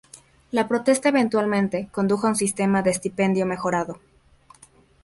La protesta eventualmente condujo a un sistema de estipendio mejorado.